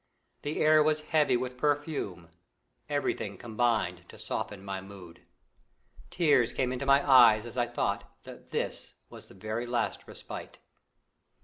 The air was heavy with perfume; everything combined to soften my mood. Tears came into my eyes as I thought that this was the very last respite.